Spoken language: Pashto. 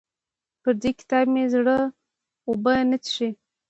پر دې کتاب مې زړه اوبه نه څښي.